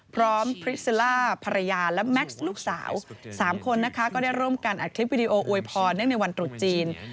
พริซิล่าภรรยาและแม็กซ์ลูกสาว๓คนนะคะก็ได้ร่วมกันอัดคลิปวิดีโออวยพรเนื่องในวันตรุษจีน